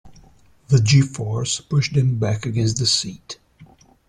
The G-force pushed him back against the seat.